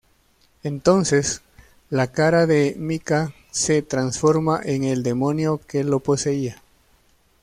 Entonces, la cara de Micah se transforma en el demonio que lo poseía.